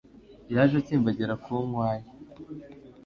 Yaje akimbagirira ku nkwaya,